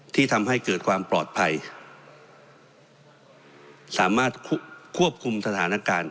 ที่ทำให้เกิดความปลอดภัยสามารถควบคุมสถานการณ์